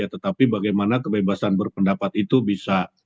tetapi bagaimana kebebasan berpendapat itu bisa